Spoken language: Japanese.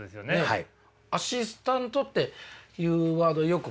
はい。